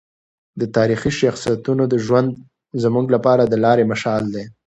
د تاریخي شخصیتونو ژوند زموږ لپاره د لارې مشال دی.